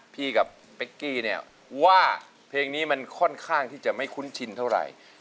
พี่กับเป๊กกี้เนี่ยว่าเพลงนี้มันค่อนข้างที่จะไม่คุ้นชินเท่าไหร่